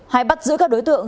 hay bắt giữ các đối tượng